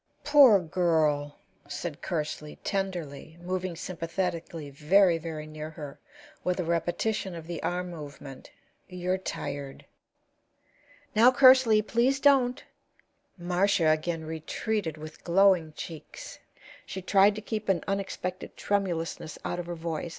"Poor girl!" said Kersley, tenderly, moving sympathetically very, very near her, with a repetition of the arm movement. "You're tired." "Now, Kersley, please don't." Marcia again retreated with glowing cheeks. She tried to keep an unexpected tremulousness out of her voice.